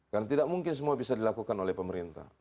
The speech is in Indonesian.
karena tidak mungkin semua bisa dilakukan oleh pemerintah